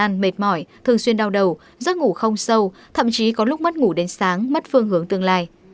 ăn mệt mỏi thường xuyên đau đầu giấc ngủ không sâu thậm chí có lúc mất ngủ đến sáng mất phương hướng tương lai